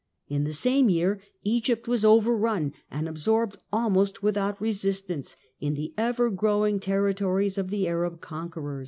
In the same year Egypt was overrun and absorbed, almost without resistance, in the ever growing territories of the Arab conquerors.